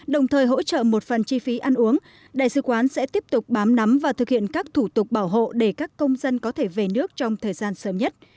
đồng thời hỗ trợ một phần chi phí ăn uống đại sứ quán sẽ tiếp tục bám nắm và thực hiện các thủ tục bảo hộ để các công dân có thể về nước trong thời gian sớm nhất